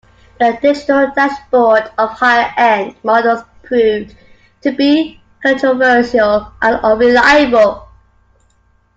The digital dashboard of higher end models proved to be controversial and unreliable.